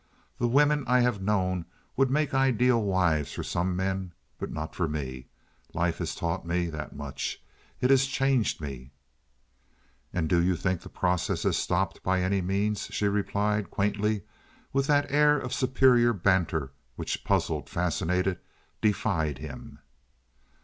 The women I have known would make ideal wives for some men, but not for me. Life has taught me that much. It has changed me." "And do you think the process has stopped by any means?" she replied, quaintly, with that air of superior banter which puzzled, fascinated, defied him.